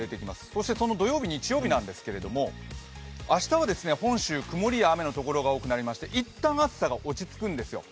そして土曜日、日曜日なんですけれども、明日本州曇りや雨の所が多くなりまして、いったん暑さがおさまるんですよ。